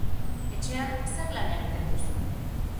Etxean zer lan egiten duzu?